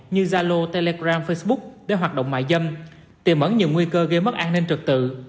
như zalo telegram facebook để hoạt động mại dâm tìm ẩn nhiều nguy cơ gây mất an ninh trật tự